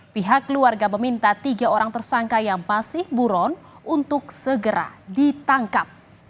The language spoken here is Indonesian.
pihak keluarga meminta tiga orang tersangka yang masih buron untuk segera ditangkap